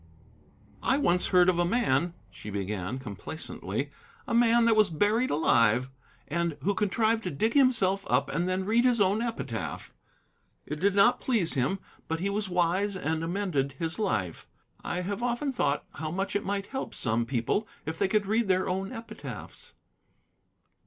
"I once heard of a man," she began complacently, "a man that was buried alive, and who contrived to dig himself up and then read his own epitaph. It did not please him, but he was wise and amended his life. I have often thought how much it might help some people if they could read their own epitaphs."